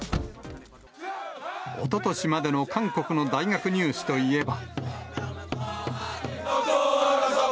おととしまでの韓国の大学入試といえば。